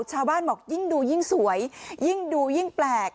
ชาวบ้านบอกยิ่งดูยิ่งสวยยิ่งดูยิ่งแปลก